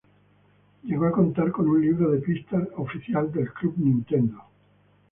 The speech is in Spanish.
Llegó a contar con un libro de pistas oficial del Club Nintendo.